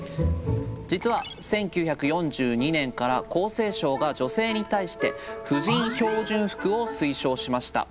実は１９４２年から厚生省が女性に対して婦人標準服を推奨しました。